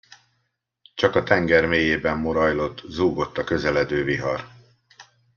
Csak a tenger mélyében morajlott, zúgott a közeledő vihar.